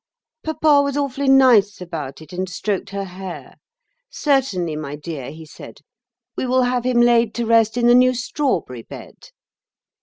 Papa was awfully nice about it and stroked her hair. 'Certainly, my dear,' he said, 'we will have him laid to rest in the new strawberry bed.